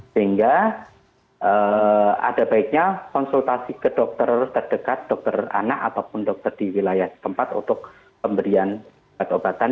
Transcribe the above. sehingga ada baiknya konsultasi ke dokter terdekat dokter anak ataupun dokter di wilayah tempat untuk pemberian obat obatan